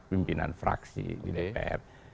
pimpinan fraksi di dpr